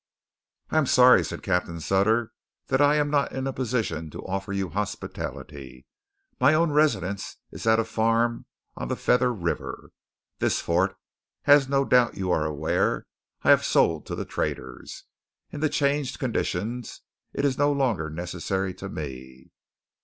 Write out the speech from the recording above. "I am sorry," said Captain Sutter, "that I am not in a position to offer you hospitality. My own residence is at a farm on the Feather River. This fort, as no doubt you are aware, I have sold to the traders. In the changed conditions it is no longer necessary to me."